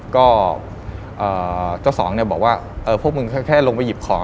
ก็เจ้าของเนี่ยบอกว่าพวกมึงแค่ลงไปหยิบของ